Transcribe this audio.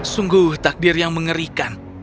sungguh takdir yang mengerikan